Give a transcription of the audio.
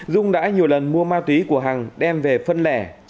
dung đã nhiều lần mua ma túy của hằng đem về phân lẻ